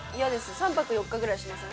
３泊４日ぐらいしません？